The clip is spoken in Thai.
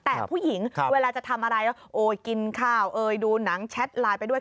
แต่ผู้หญิงเวลาจะทำอะไรก็โอ้ยกินข้าวเอ่ยดูหนังแชทไลน์ไปด้วย